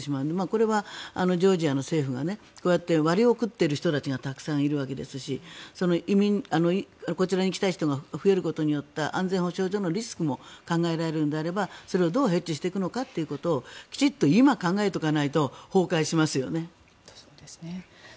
それはジョージアの政府がこうやって割を食っている人たちがたくさんいるわけですしこちらに来た人が増えることによって安全保障上のリスクも考えられるのであればそれをどうヘッジしていくのかということをきちんと今考えておかないと崩壊しますよね。